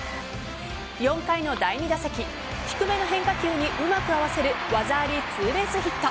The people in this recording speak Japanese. ４回の第２打席低めの変化球にうまく合わせる技ありツーベースヒット。